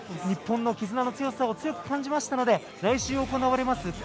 日本の絆の強さを強く感じましたので来週行われます